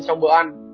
trong bữa ăn